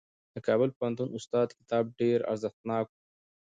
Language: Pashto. د کابل پوهنتون د استاد کتاب ډېر ارزښتناک و.